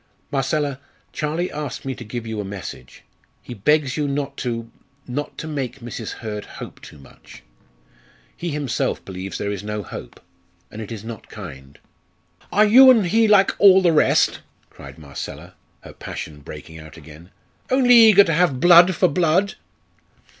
"Marcella, Charlie asked me to give you a message. He begs you not to not to make Mrs. Hurd hope too much. He himself believes there is no hope, and it is not kind." "Are you and he like all the rest," cried Marcella, her passion breaking out again, "only eager to have blood for blood?"